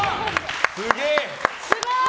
すごい！